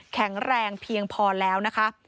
แข็งแรงเพียงพอแล้วนะคะ